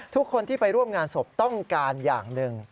ทุกคนที่ไปร่วมงานศพต้องการอย่างหนึ่ง